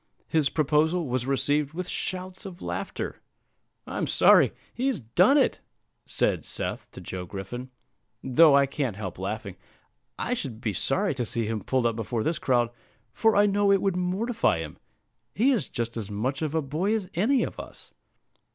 His proposal was received with shouts of laughter. "I'm sorry he's done it," said Seth to Joe Griffin, "though I can't help laughing. I should be sorry to see him pulled up before this crowd, for I know it would mortify him; he is just as much of a boy as any of us."